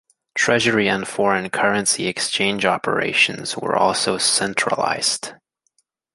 Treasury and foreign currency exchange operations were also centralised.